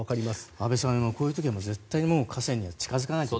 安部さん、こういう時は絶対に河川に近づかないと。